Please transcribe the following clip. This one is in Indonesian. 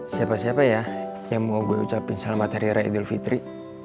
siapa siapa ya yang mau gue ucapin selamat hari rai dulfitri